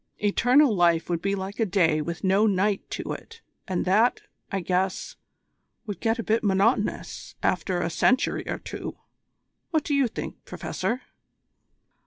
Eternal life would be like a day with no night to it, and that, I guess, would get a bit monotonous after a century or two. What do you think, Professor?"